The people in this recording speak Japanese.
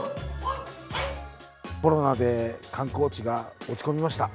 コロナで観光地が落ち込みました。